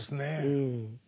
うん。